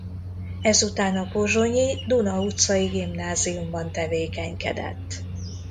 Ezután a pozsonyi Duna utcai gimnáziumban tevékenykedett.